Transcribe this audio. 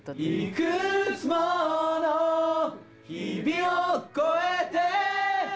「いくつもの日々を越えて」